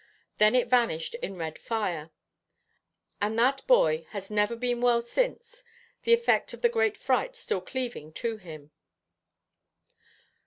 Then it vanished in red fire; and that boy 'has never been well since, the effect of the great fright still cleaving to him.'